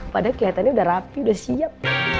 padahal kelihatannya udah rapi udah siap